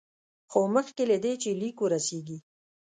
خو مخکې له دې چې لیک ورسیږي.